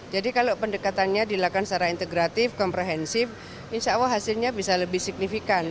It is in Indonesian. jadi kalau pendekatannya dilakukan secara integratif komprehensif insya allah hasilnya bisa lebih signifikan